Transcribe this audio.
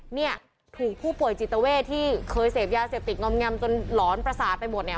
เนี่ยถูกผู้ป่วยจิตเวทที่เคยเสพยาเสพติดงอมแงมจนหลอนประสาทไปหมดเนี่ย